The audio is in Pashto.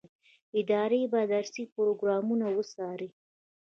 ادارې به درسي پروګرامونه وڅاري.